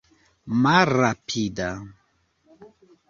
malrapida